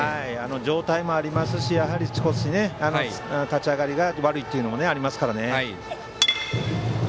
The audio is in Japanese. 状態もありますし少し立ち上がりが悪いというのもありますからね。